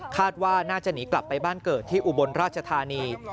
ว่าน่าจะหนีกลับไปบ้านเกิดที่อุบลราชธานี